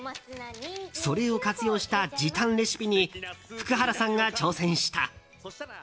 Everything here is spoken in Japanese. それを活用した時短レシピに福原さんが挑戦した。